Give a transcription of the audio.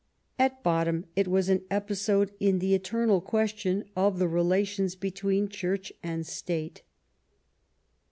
At bottom it was an episode in the eternal question of the rela tions between Church and State.